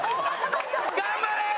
頑張れ！